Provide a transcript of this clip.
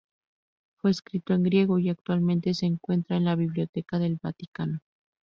Fue escrito en griego, y actualmente se encuentra en la Biblioteca del Vaticano.